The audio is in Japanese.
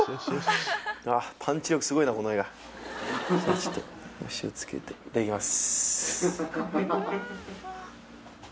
パンチ力すごいなこの画がちょっとお塩つけていただきます